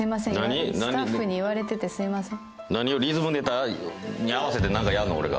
スタッフに言われててすみません。